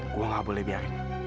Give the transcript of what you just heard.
gue nggak boleh biarin